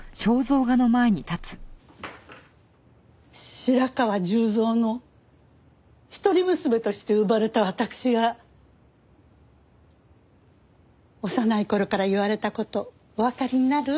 白河十蔵の一人娘として生まれた私が幼い頃から言われた事おわかりになる？